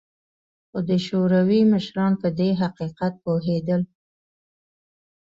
خو د شوروي مشران په دې حقیقت پوهېدل